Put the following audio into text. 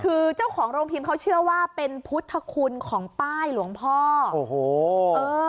คือเจ้าของโรงพิมพ์เขาเชื่อว่าเป็นพุทธคุณของป้ายหลวงพ่อโอ้โหเออ